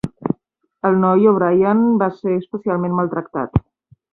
El noi, O'Brien, va ser especialment maltractat.